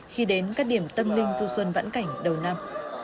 khi đến các điểm tâm linh du xuân vãn cảnh đầu năm